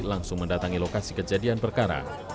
langsung mendatangi lokasi kejadian perkara